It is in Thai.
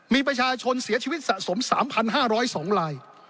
มีประชาชนเสียชีวิตสะสม๓๕๐๒ลาย